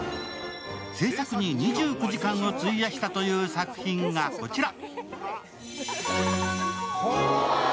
制作に２９時間を費やしたという作品がこちら。